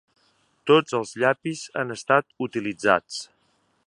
Tots els llapis han estat utilitzats.